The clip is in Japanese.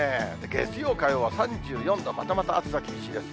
月曜、火曜は３４度、またまた暑さ厳しいです。